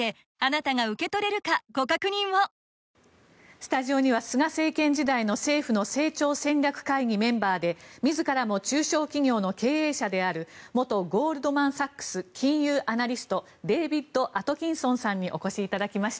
スタジオには菅政権時代の政府の成長戦略会議メンバーで自らも中小企業の経営者である元ゴールドマン・サックス金融アナリストデービッド・アトキンソンさんにお越しいただきました。